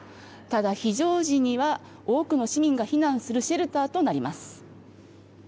ただ、非常時には多くの市民が避難するシェルターとなります。